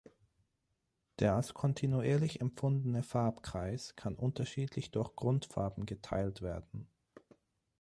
Der als kontinuierlich empfundene Farbkreis kann unterschiedlich durch Grundfarben geteilt werden.